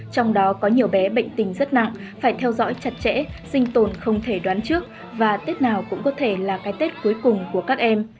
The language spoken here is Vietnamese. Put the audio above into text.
trong đó có nhiều bé bệnh tình rất nặng phải theo dõi chặt chẽ sinh tồn không thể đoán trước và tết nào cũng có thể là cái tết cuối cùng của các em